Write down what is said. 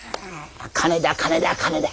金だ金だ金だ。